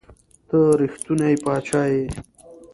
ته رښتونے باچا ئې